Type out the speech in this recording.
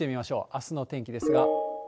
あすの天気ですが。